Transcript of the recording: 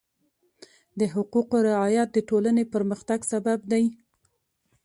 د حقوقو رعایت د ټولنې پرمختګ سبب دی.